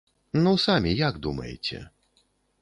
Ну самі як думаеце?